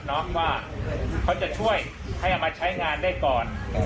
ว่าเขาจะช่วยให้เอามาใช้งานได้ก่อน